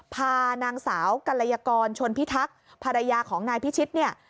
พานางสาวกรยากรชนพิทักษ์ภรรยาของนายพิชิตเนี่ย